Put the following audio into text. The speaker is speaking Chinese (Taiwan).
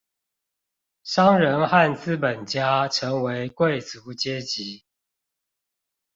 商人和資本家成為貴族階級